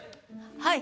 はい。